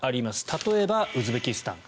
例えば、ウズベキスタン。